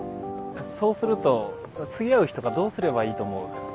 そうすると次会う日とかどうすればいいと思う？